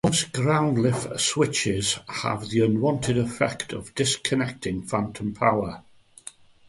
Most ground lift switches have the unwanted effect of disconnecting phantom power.